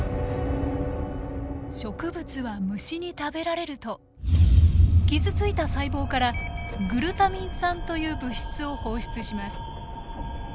植物は虫に食べられると傷ついた細胞からグルタミン酸という物質を放出します。